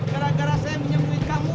gara gara saya menyembunyi kamu